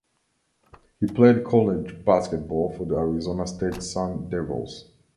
He played college basketball for the Arizona State Sun Devils.